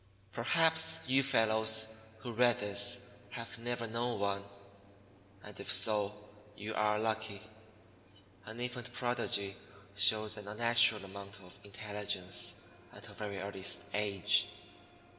Perhaps you fellows who read this have never known one; and if so, you are lucky. An infant Prodigy shows an unnatural amount of intelligence at a very early age.